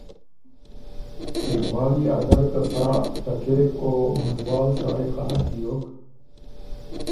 اقبال يې اګر که سا ټکېک او مُنډوال سړئ خه نک بیوک